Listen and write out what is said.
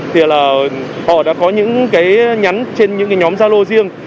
thì là họ đã có những cái nhắn trên những cái nhóm gia lô riêng